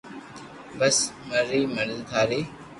بس مر زي ٿاري